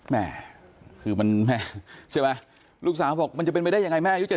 แม่คือมันแม่ใช่ไหมลูกสาวบอกมันจะเป็นไปได้ยังไงแม่อายุ๗๐